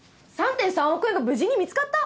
３．３億円が無事に見つかった？